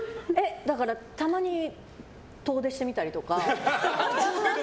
だからたまに遠出してみたりとか。